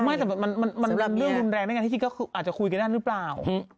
ไม่มันเรื่องแรงได้ไงที่คิดก็คืออาจจะคุยกันหรือเปล่า